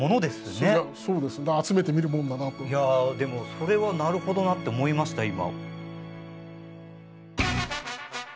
そうですねいやでもそれはなるほどなって思いました今。